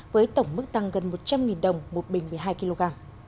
với tổng mức tăng gần một trăm linh đồng một bình một mươi hai kg